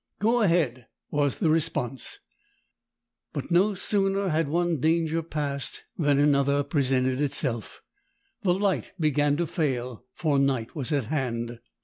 "Go ahead," was the response. But no sooner had one danger passed than another presented itself. The light began to fail, for night was at hand.